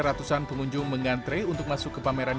ratusan pengunjung mengantre untuk masuk ke pameran